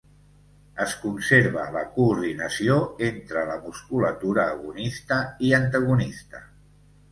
Es conserva la coordinació entre la musculatura agonista i antagonista.